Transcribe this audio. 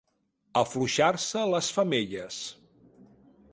Afluixar-se les femelles.